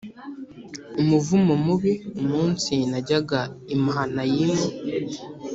umuvumo mubi umunsi najyaga i Mahanayimu